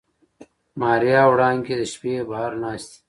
ماريا او وړانګې د شپې بهر ناستې.